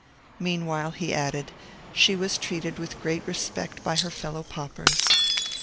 Meanwhile, he added, she was treated with great respect by her fellow paupers.